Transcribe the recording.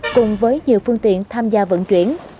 cùng với nhiều phương tiện tham gia vận chuyển